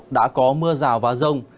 đã có mưa rào và rông